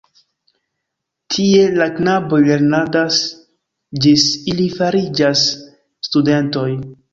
Tie la knaboj lernadas ĝis ili fariĝas studentoj.